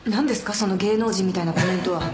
その芸能人みたいなコメントは。